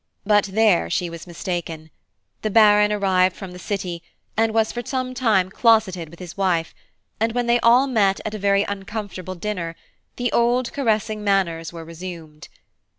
But there she was mistaken. The Baron arrived from the city and was for some time closeted with his wife, and when they all met at a very uncomfortable dinner, the old caressing manners were resumed.